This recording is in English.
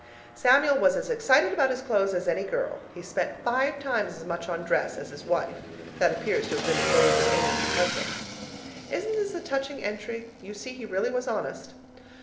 Samuel was as excited about his clothes as any girl; he spent five times as much on dress as his wife that appears to have been the Golden Age of husbands. Isn't this a touching entry? You see he really was honest.